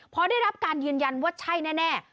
พอได้รับการยืนยันว่าใช่แน่